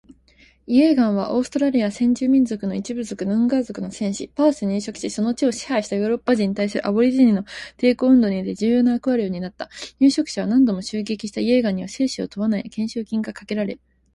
イェーガンは、オーストラリア先住民族の一部族ヌンガー族の戦士。パースに入植しその地を支配したヨーロッパ人に対するアボリジニの抵抗運動において重要な役割を担った。入植者を何度も襲撃したイェーガンには生死を問わない懸賞金がかけられ